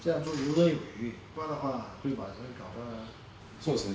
そうですね。